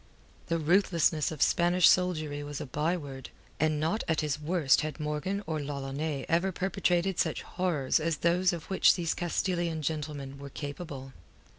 The ruthlessness of Spanish soldiery was a byword, and not at his worst had Morgan or L'Ollonais ever perpetrated such horrors as those of which these Castilian gentlemen were capable.